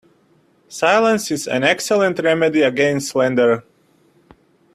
Silence is an excellent remedy against slander.